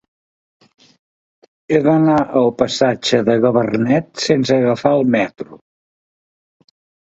He d'anar al passatge de Gabarnet sense agafar el metro.